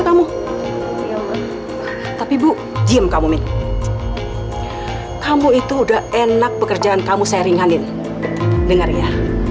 kamu tapi bu gym kamu min kamu itu udah enak pekerjaan kamu seringanin denger ya